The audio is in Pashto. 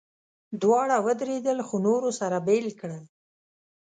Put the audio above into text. دواړه ودرېدل، خو نورو سره بېل کړل.